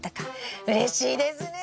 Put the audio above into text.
うれしいですね。